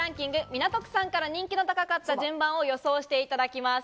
港区さんから人気の高かった順番を予想していただきます。